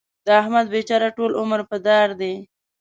د احمد بېچاره ټول عمر په دار دی.